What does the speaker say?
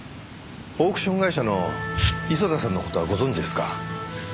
オークション会社の磯田さんの事はご存じですか？